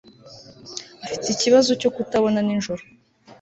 afite ikibazo cyo kutabona nijoro